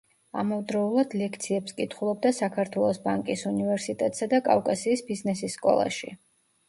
ამავდროულად ლექციებს კითხულობდა საქართველოს ბანკის უნივერსიტეტსა და კავკასიის ბიზნესის სკოლაში.